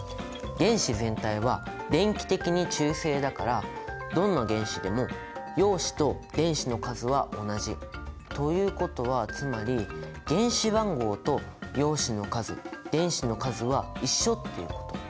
原子全体は電気的に中性だからどんな原子でも陽子と電子の数は同じ。ということはつまり原子番号と陽子の数電子の数は一緒っていうこと。